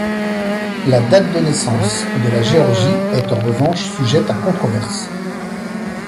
La date de naissance de la Géorgie est, en revanche, sujette à controverse.